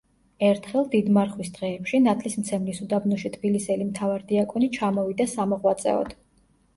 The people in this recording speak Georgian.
ერთხელ, დიდმარხვის დღეებში, ნათლისმცემლის უდაბნოში თბილისელი მთავარდიაკონი ჩამოვიდა სამოღვაწეოდ.